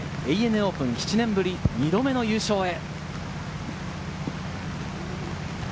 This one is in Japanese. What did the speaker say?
オープン７年ぶり２度目の優勝へ。